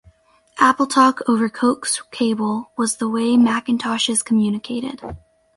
AppleTalk over coax cable was the way Macintoshes communicated.